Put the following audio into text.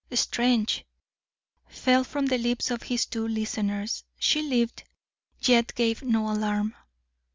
"Strange!" fell from the lips of his two listeners. "She lived, yet gave no alarm."